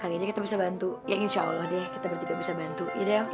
hari aja kita bisa bantu ya insya allah deh kita bertiga bisa bantu yaudah